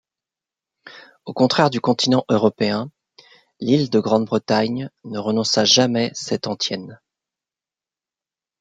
Au contraire du continent européen, l'Ile de Grande-Bretagne ne renonça jamais cette antienne.